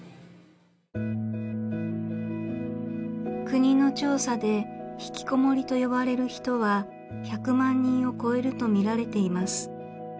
国の調査で「ひきこもり」と呼ばれる人は１００万人を超えると見られています。